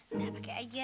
udah pakai aja